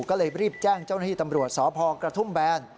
ก็เลยรีบแจ้งเจ้าหน้าที่ตำรวจสพกระทุ่มแบน